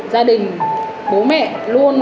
gia đình bố mẹ luôn